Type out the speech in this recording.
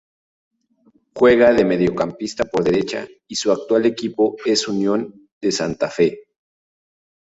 Juega de mediocampista por derecha y su actual equipo es Unión de Santa Fe.